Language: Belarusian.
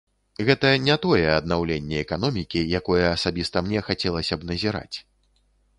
Гэта не тое аднаўленне эканомікі, якое асабіста мне хацелася б назіраць.